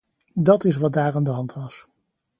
Dat is wat daar aan de hand was.